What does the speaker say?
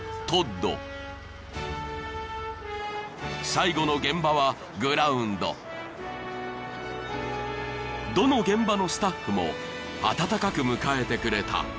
［どの現場のスタッフも温かく迎えてくれた］